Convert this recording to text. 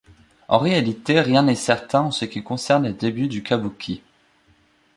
En réalité, rien n'est certain en ce qui concerne les débuts du kabuki.